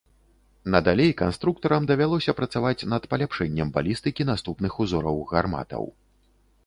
Надалей канструктарам давялося працаваць над паляпшэннем балістыкі наступных узораў гарматаў.